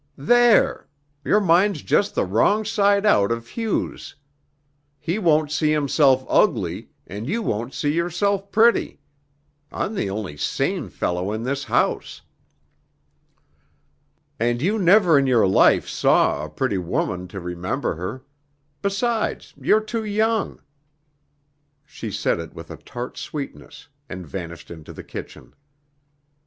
"There! Your mind's just the wrong side out of Hugh's. He won't see himself ugly, and you won't see yourself pretty. I'm the only sane fellow in this house." "And you never in your life saw a pretty woman to remember her. Besides, you're too young." She said it with a tart sweetness and vanished into the kitchen.